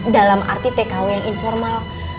dalam arti tkw yang informal